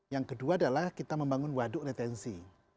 yang kedua adalah kita membangun waduk retensi